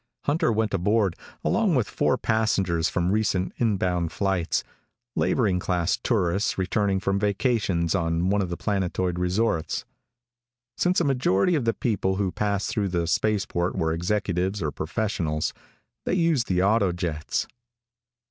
Hunter went aboard, along with four passengers from recent inbound flights laboring class tourists returning from vacations on one of the planetoid resorts. Since a majority of the people who passed through the spaceport were executives or professionals, they used the autojets.